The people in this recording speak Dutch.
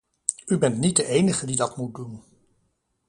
U bent niet de enige die dat moet doen.